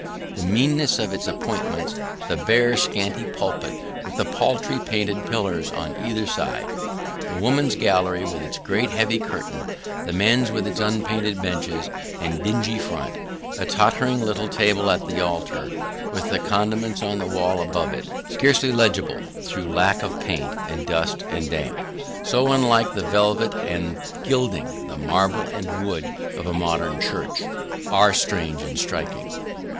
The meanness of its appointments the bare and scanty pulpit, with the paltry painted pillars on either side the women's gallery with its great heavy curtain the men's with its unpainted benches and dingy front the tottering little table at the altar, with the commandments on the wall above it, scarcely legible through lack of paint, and dust and damp so unlike the velvet and gilding, the marble and wood, of a modern church are strange and striking.